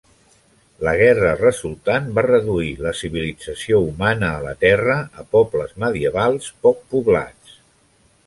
La guerra resultant va reduir la civilització humana a la Terra a pobles medievals poc poblats.